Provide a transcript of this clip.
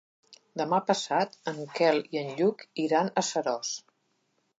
Demà passat en Quel i en Lluc iran a Seròs.